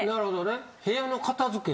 「部屋の片付け」